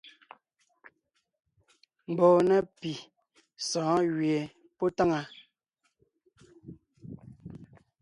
Mbɔɔ na pì sɔ̌ɔn gẅie pɔ́ táŋaa.